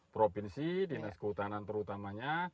provinsi dinas kehutanan terutamanya